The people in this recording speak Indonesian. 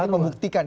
dan ini membuktikan